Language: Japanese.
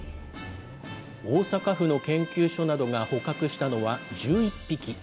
大阪府の研究所などが捕獲したのは１１匹。